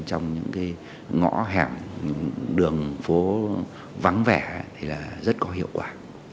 trong những cái ngõ hẹp đường phố vắng vẻ thì là rất có hiệu quả